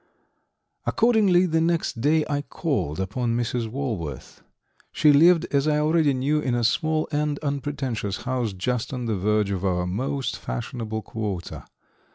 Accordingly, the next day I called upon Mrs. Walworth. She lived, as I already knew, in a small and unpretentious house just on the verge of our most fashionable quarter.